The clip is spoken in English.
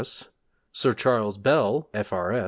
S. Sir Charles Bell, F.R.